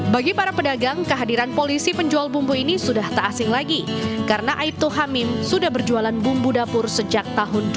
bagi para pedagang kehadiran polisi penjual bumbu ini sudah tak asing lagi karena aibtu hamim sudah berjualan bumbu dapur sejak tahun dua ribu dua